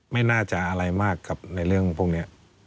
ไม่น่าจะอะไรมากกับในเรื่องพวกนี้